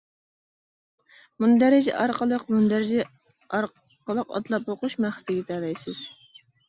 مۇندەرىجە ئارقىلىق مۇندەرىجە ئارقىلىق ئاتلاپ ئوقۇش مەقسىتىگە يېتەلەيسىز.